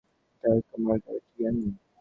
Dark, ও Margaret young.